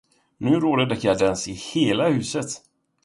Nu råder dekadens i hela huset!